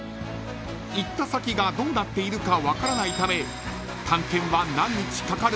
［行った先がどうなっているか分からないため］